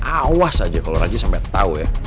awas aja kalo raja sampe tau ya